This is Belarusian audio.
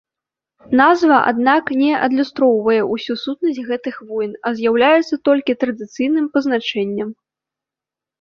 Назва, аднак, не адлюстроўвае ўсю сутнасць гэтых войн, а з'яўляецца толькі традыцыйным пазначэннем.